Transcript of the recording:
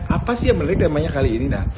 apa sih yang menarik temanya kali ini